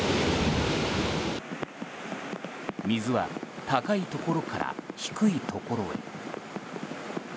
水は高いところから低いところへ。